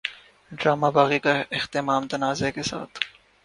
drama Baaghi کا اختتام تنازعے کے ساتھ